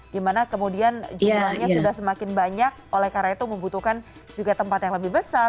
dimana kemudian jumlahnya sudah semakin banyak oleh karena itu membutuhkan juga tempat yang lebih besar